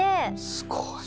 すごいな。